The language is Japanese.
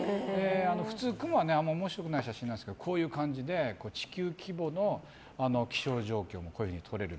普通、雲はあんまり面白くない写真なんですがこういう感じで地球規模の気象状況が撮れる。